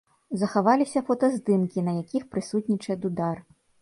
Захаваліся фотаздымкі на якіх прысутнічае дудар.